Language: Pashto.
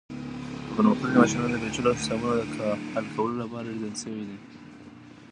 دا پرمختللي ماشینونه د پیچلو حسابونو د حل کولو لپاره ډیزاین شوي دي.